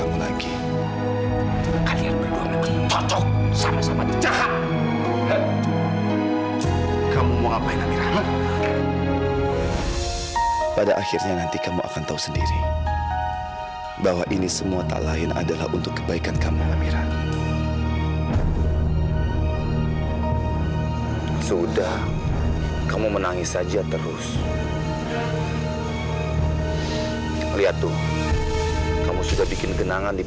bapak bilang saya jelek dong